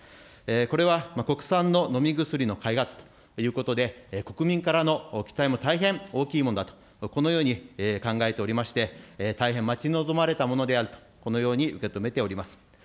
これは国産の飲み薬の開発ということで、国民からの期待も大変大きいものだと、このように考えておりまして、大変待ち望まれたものであると、このように受け止めております。